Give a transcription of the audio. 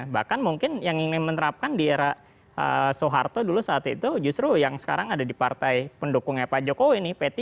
bahkan mungkin yang ingin menerapkan di era soeharto dulu saat itu justru yang sekarang ada di partai pendukungnya pak jokowi nih p tiga